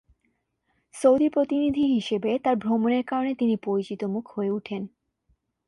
Saudi প্রতিনিধি হিসেবে তার ভ্রমণের কারণে তিনি পরিচিত মুখ হয়ে উঠেন।